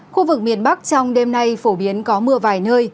khu vực miền bắc trong đêm nay phổ biến có mưa vài nơi